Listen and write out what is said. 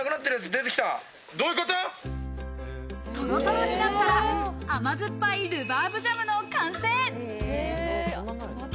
トロトロになったら甘酸っぱいルバーブジャムの完成。